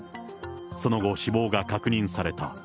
その後、死亡が確認された。